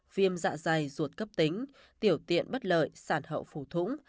viêm dạ dày ruột cấp tính tiểu tiện bất lợi sản hậu phủ thủng